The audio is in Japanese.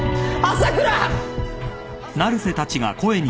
朝倉！